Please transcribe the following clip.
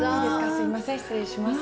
すいません失礼します。